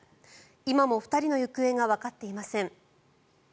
今も２人の行方がわかっていません。